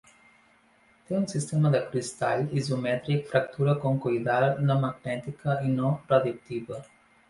Té un sistema de cristall isomètric, fractura concoidal, no magnètica i no radioactiva.